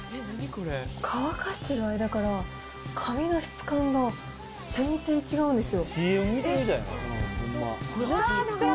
乾かしてる間から、髪の質感が全然違うんですよ。